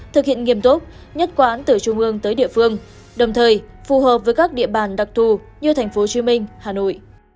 thực hiện nghiêm túc nhất quán từ trung bường tới địa phương đồng thời phù hợp với các địa bàn đặc thù như tp hcm hà nội